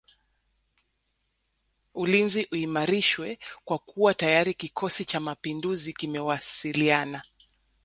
Ulinzi uimarishwe kwa kuwa tayari kikosi cha mapinduzi kimewasiliana